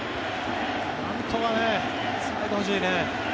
なんとかつないでほしいね。